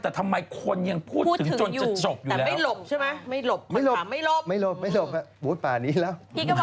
แต่ทำไมคนยังพูดถึงจนจะจบอยู่แล้ว